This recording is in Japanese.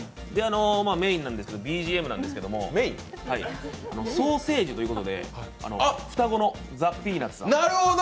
メーンなんですけど、ＢＧＭなんですけど、ソーセージということで、双子のザ・ピーナッツさん。